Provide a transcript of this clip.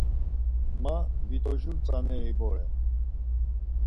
Ma vit̆ojur tzaneri bore.